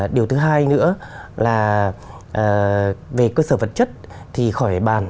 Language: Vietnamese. điều thứ hai nữa là về cơ sở vật chất thì khỏi bàn